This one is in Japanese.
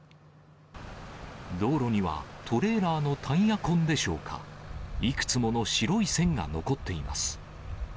道路にはトレーラーのタイヤ痕でしょうか、いくつもの白い線が残っています。